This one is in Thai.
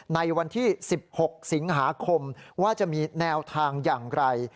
ในวันที่๑๖สิงหาคมว่าจะมีแนวทางอย่างไร